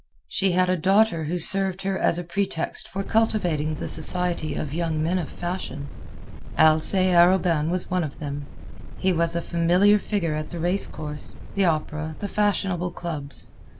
She had a daughter who served her as a pretext for cultivating the society of young men of fashion. Alcée Arobin was one of them. He was a familiar figure at the race course, the opera, the fashionable clubs.